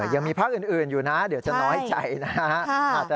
ยังมีพักอื่นอยู่นะเดี๋ยวจะน้อยใจนะฮะ